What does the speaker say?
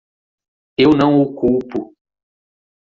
Eu não o culpo.